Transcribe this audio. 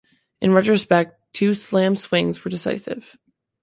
In retrospect, two "slam swings" were decisive.